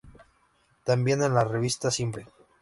Tambien en la revista Siempre.